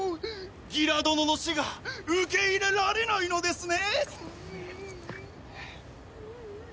ギラ殿の死が受け入れられないのですね！？